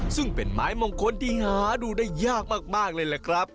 ซึ่งเป็นไม้มงคลที่หาดูได้ยากมากเลยแหละครับ